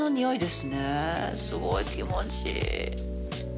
すごい気持ちいい。